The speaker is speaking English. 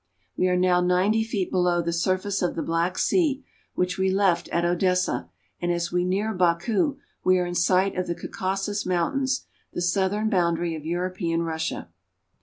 We are now ninety feet below the surface of the Black Sea, which we left at Odessa, and as we near Baku we are in sight of the Caucasus Mountains, the southern boundary of European Russia.